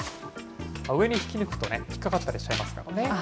上に引き抜くとね、引っ掛かったりしちゃいますからね。